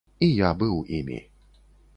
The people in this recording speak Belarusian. І я быў імі.